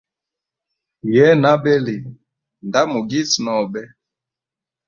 Yena abeli nda mugisi nobe.